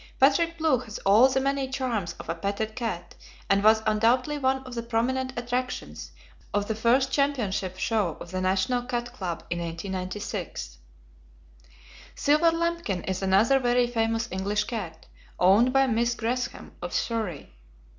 Patrick Blue has all the many charms of a petted cat, and was undoubtedly one of the prominent attractions of the first Championship Show of the National Cat Club in 1896. Silver Lambkin is another very famous English cat, owned by Miss Gresham, of Surrey.